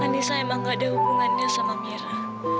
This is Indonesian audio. anissa emang gak ada hubungannya sama mira